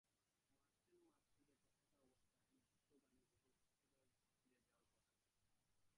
মারসেল Marceau বেঁচে থাকা অবস্থায় আমি ভাবতেও পারিনি দেশে স্থায়ীভাবে ফিরে যাওয়ার কথা।